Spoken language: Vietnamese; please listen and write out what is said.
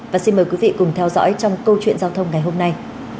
và xin mời quý vị cùng theo dõi trong câu chuyện giao thông ngày hôm nay